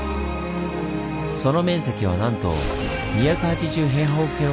その面積はなんと２８０以上。